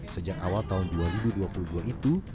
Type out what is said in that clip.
sejak awal tahun dua ribu dua puluh dua itu